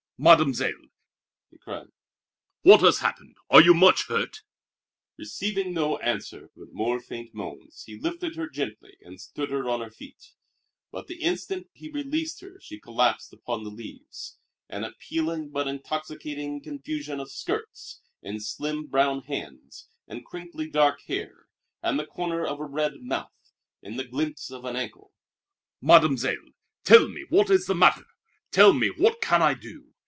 "Mademoiselle," he cried, "what has happened? Are you much hurt?" Receiving no answer, but more faint moans, he lifted her gently and stood her on her feet; but the instant he released her she collapsed upon the leaves, an appealing but intoxicating confusion of skirts, and slim brown hands, and crinkly dark hair, and the corner of a red mouth, and the glimpse of an ankle. "Mademoiselle! Tell me what is the matter. Tell me what can I do.